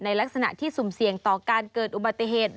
ลักษณะที่สุ่มเสี่ยงต่อการเกิดอุบัติเหตุ